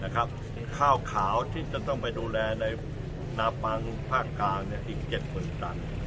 ข้าวขาวที่จะต้องไปดูแลในนามังภาคกลางอีก๗๐๐๐ตัน